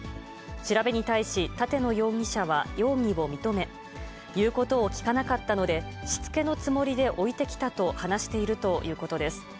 調べに対し、立野容疑者は容疑を認め、言うことを聞かなかったので、しつけのつもりで置いてきたと話しているということです。